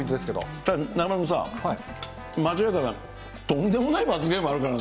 ただ、中丸君さ、間違えたらとんでもない罰ゲームあるからね。